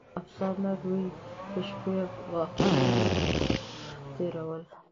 افسانه: روې د شپې غاښونه تېرول.